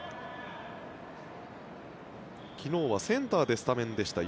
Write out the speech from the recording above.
昨日はセンターでスタメンでした。